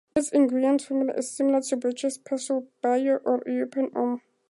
Its ingredients formula is similar to British Persil Bio or European Omo.